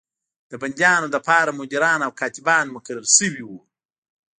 د بندیانو لپاره مدیران او کاتبان مقرر شوي وو.